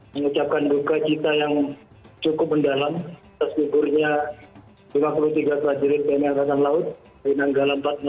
mengucapkan duka cita yang cukup mendalam atas gugurnya lima puluh tiga prajurit tni angkatan laut di nanggala empat ratus dua